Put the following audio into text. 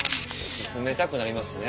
薦めたくなりますね。